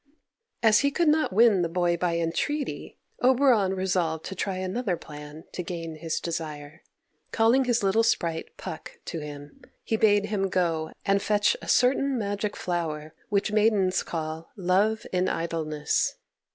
As he could not win the boy by entreaty, Oberon resolved to try another plan to gain his desire. Calling his little sprite Puck to him, he bade him go and fetch a certain magic flower, which maidens call "love in idleness."